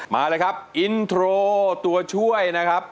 มาเลยครับอินโทรตัวช่วยนะครับ